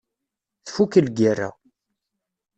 Tfukk lgira.